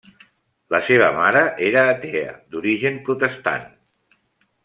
La seva mare era atea d'origen protestant.